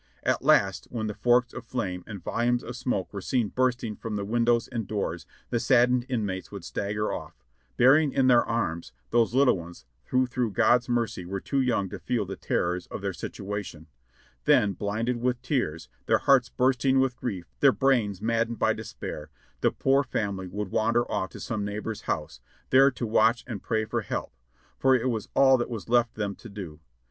At last, when the forks of flame and volumes of smoke were seen bursting from the windows and doors, the saddened in mates would stagger off, bearing in their arms those little ones who through God's mercy were too young to feel the terrors of their situation ; then, blinded with tears, their hearts bursting with grief, their brains maddened by despair, the poor family would wander off to some neighbor's house, there to watch and pray for help ; for it was all that was left them to do.